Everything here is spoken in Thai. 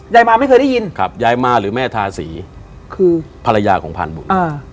ยายมาไม่เคยได้ยินครับยายมาหรือแม่ทาสีคือภรรยาของพานบุญอ่า